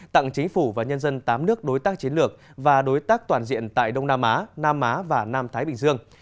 tặng chính phủ và nhân dân tám nước đối tác chiến lược và đối tác toàn diện tại đông nam á nam á và nam thái bình dương